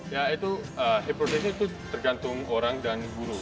ya itu hip rotation itu tergantung orang dan guru